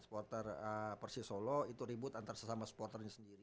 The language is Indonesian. supporter persis solo itu ribut antar sesama supporternya sendiri